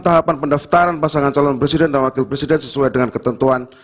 tahapan pendaftaran pasangan calon presiden dan wakil presiden sesuai dengan ketentuan